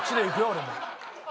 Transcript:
俺も。